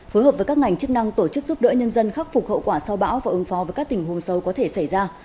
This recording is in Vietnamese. phối hợp với các ngành chức năng tổ chức giúp đỡ nhân dân khắc phục hậu quả sau bão và ứng phó với các tình huống sâu có thể xảy ra